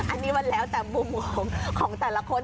อันนี้มันแล้วแต่มุมมองของแต่ละคน